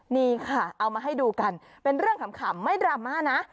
นี่ค่ะเอามาให้ดูกันเป็นเรื่องขำไม่ดราม่านะ